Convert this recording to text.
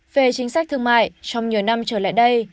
về chính sách thương mại trong nhiều năm trở lại đây